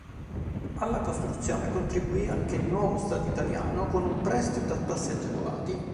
Alla costruzione contribuì anche il nuovo Stato italiano con un prestito a tassi agevolati.